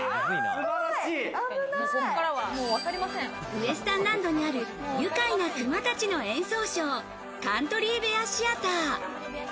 ウエスタンランドにある愉快なクマたちの演奏ショー、カントリーベア・シアター。